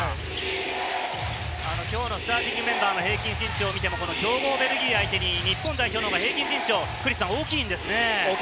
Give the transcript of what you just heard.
今日のスターティングメンバーの平均身長を見ても強豪ベルギーを相手に、日本代表のほうが平均身長、大きいんですね。